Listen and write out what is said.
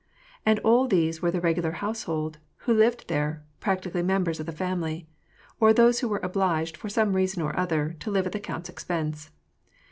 And all these were the regular household, who lived there, practically members of the family; or those who were obliged, for some reason or other, to live at the count's expense.